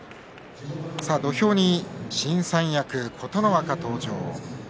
土俵に新三役、琴ノ若登場。